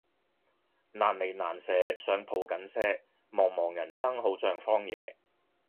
難離難捨想抱緊些茫茫人生好像荒野